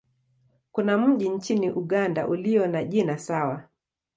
Kuna mji nchini Uganda ulio na jina sawa.